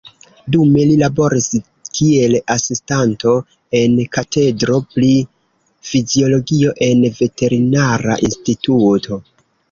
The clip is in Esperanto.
Dume li laboris kiel asistanto en katedro pri fiziologio en veterinara instituto.